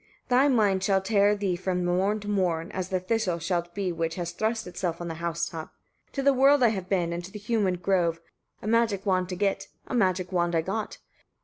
Thy mind shall tear thee from morn to morn: as the thistle thou shalt be which has thrust itself on the house top. 32. To the wold I have been, and to the humid grove, a magic wand to get. A magic wand I got.